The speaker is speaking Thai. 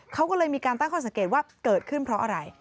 เขาก็เลยมีการตั้งข้อสังเกตว่าเกิดขึ้นเพราะอะไร